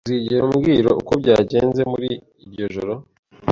Uzigera umbwira uko byagenze muri iryo joro?